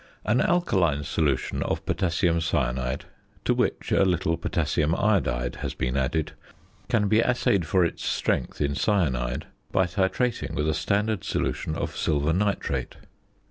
An alkaline solution of potassium cyanide, to which a little potassium iodide has been added, can be assayed for its strength in cyanide by titrating with a standard solution of silver nitrate.